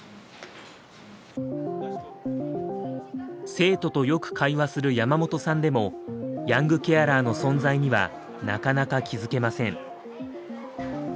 生徒とよく会話する山本さんでもヤングケアラーの存在にはなかなか気付けません。